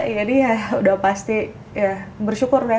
jadi ya udah pasti bersyukur ya